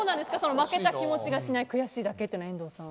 負けた気持ちがしない悔しいだけというの。